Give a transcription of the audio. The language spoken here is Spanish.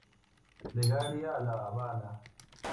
Plegaria a La Habana.